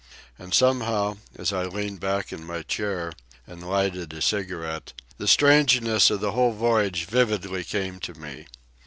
And somehow, as I leaned back in my chair and lighted a cigarette, the strangeness of the whole voyage vividly came to me.